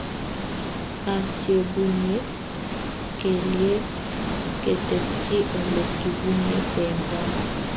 ak chebunei kelyek ketekchi Ole kibunei eng barak